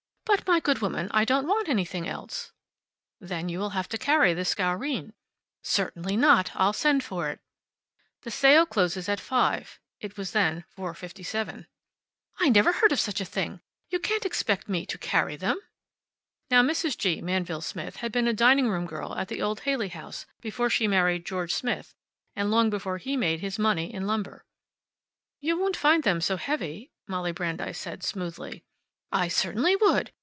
"But my good woman, I don't want anything else!" "Then you'll have to carry the Scourine?" "Certainly not! I'll send for it." "The sale closes at five." It was then 4:57. "I never heard of such a thing! You can't expect me to carry them." Now, Mrs. G. Manville Smith had been a dining room girl at the old Haley House before she married George Smith, and long before he made his money in lumber. "You won't find them so heavy," Molly Brandeis said smoothly. "I certainly would!